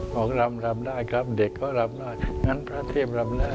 ของลำรำได้ครับเด็กเขารำได้งั้นพระเทพรำได้